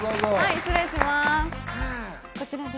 失礼します。